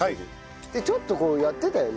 ちょっとこうやってたよね。